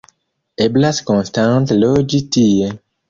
Eblas konstante loĝi tie.